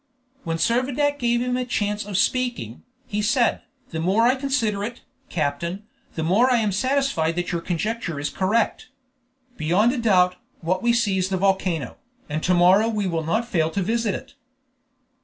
When Servadac gave him a chance of speaking, he said, "The more I consider it, captain, the more I am satisfied that your conjecture is correct. Beyond a doubt, what we see is the volcano, and to morrow we will not fail to visit it."